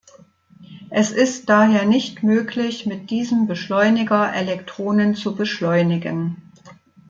Es ist daher nicht möglich, mit diesem Beschleuniger Elektronen zu beschleunigen.